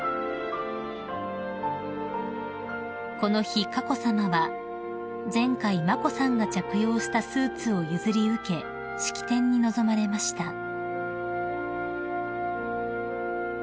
［この日佳子さまは前回眞子さんが着用したスーツを譲り受け式典に臨まれました］